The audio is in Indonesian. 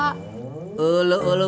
ketuk unggul loh